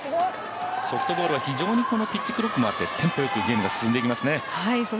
ソフトボールは非常にこのピッチクロックがあってテンポよくゲームが進んでいきますね。